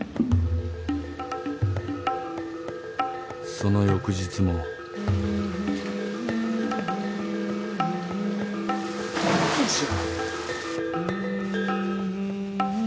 ［その翌日も］よいしょ。